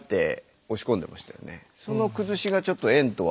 その崩しがちょっと円とは。